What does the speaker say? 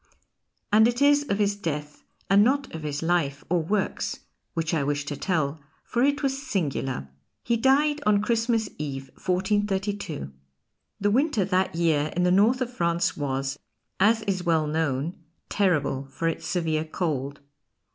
And it is of his death and not of his life or works which I wish to tell, for it was singular. He died on Christmas Eve, 1432. The winter that year in the north of France was, as is well known, terrible for its severe cold.